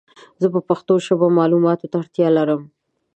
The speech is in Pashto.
زه په پښتو ژبه مالوماتو ته اړتیا لرم